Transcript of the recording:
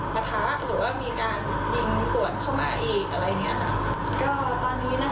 เขามายี่ยงเข้ามาตอบหาวันการว่าเป็นในใบบ้าน